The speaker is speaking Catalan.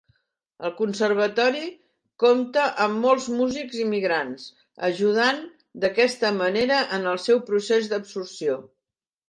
El conservatori compta amb molts músics immigrants, ajudant d'aquesta manera en el seu procés d'absorció.